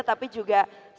tapi juga station pengisian